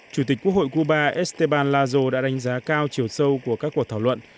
chủ tịch quốc hội cuba esteban lazo đã đánh giá cao chiều sâu của các cuộc thảo luận